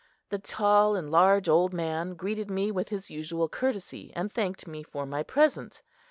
The tall and large old man greeted me with his usual courtesy and thanked me for my present.